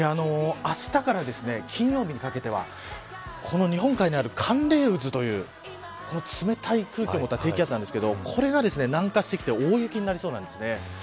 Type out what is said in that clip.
あしたから金曜日にかけてはこの日本海にある寒冷渦というこの冷たい空気ということは低気圧なんですけどこれが南下してきて大雪になりそうなんです。